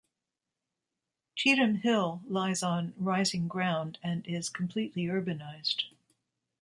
Cheetham Hill lies on "rising ground" and is completely urbanised.